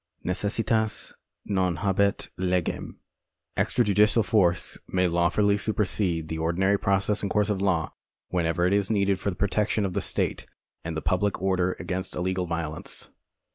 Necessitas non habet legem. Extrajudicial force may law fully su[)ersede the ordinary process and course of law, whenever it is needed for the protection of the state and the public order against illegal violence.